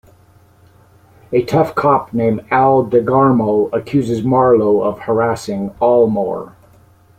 A tough cop named Al Degarmo accuses Marlowe of harassing Almore.